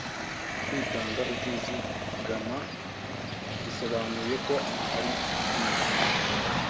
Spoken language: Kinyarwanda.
Kwitanga utizigama bisobanuye ko hari byinshi